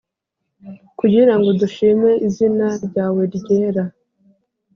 Kugirango dushime izina ryawe ryera